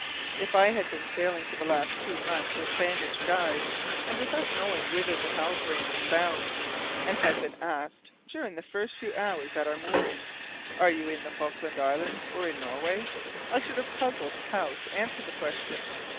If I had been sailing for the last two months with bandaged eyes, and without knowing whither the Halbrane was bound, and had been asked during the first few hours at our moorings, "Are you in the Falkland Isles or in Norway?" I should have puzzled how to answer the question.